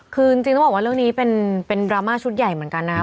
คือจริงต้องบอกว่าเรื่องนี้เป็นดราม่าชุดใหญ่เหมือนกันนะครับ